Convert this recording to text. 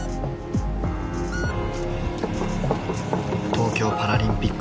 東京パラリンピック